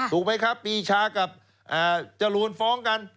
ถูกไหมครับปีชากับจรูนฟ้องกัน